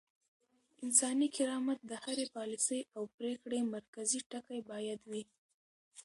انساني کرامت د هرې پاليسۍ او پرېکړې مرکزي ټکی بايد وي.